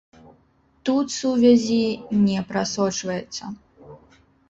Тут сувязі не прасочваецца.